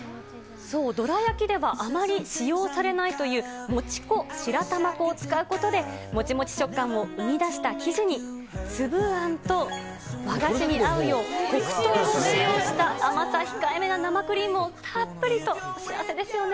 そう、どら焼きではあまり使用されないという餅粉、白玉粉を使うことで、もちもち食感を生み出した生地に、粒あんと、和菓子に合うよう黒糖を使用した甘さ控えめな生クリームをたっぷりと、幸せですよね。